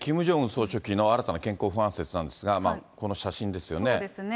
総書記の新たな健康不安説なんですが、このそうですね。